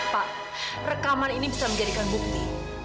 pak rekaman ini bisa menjadikan bukti